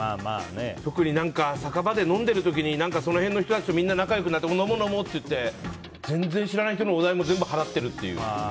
特に酒場で飲んでいる時にその辺の人たちとみんな仲良くなって飲もう飲もうって全然知らない人のお代も払ってるという。